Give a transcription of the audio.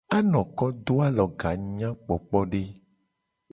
Anoko do aloga nyakpokpode.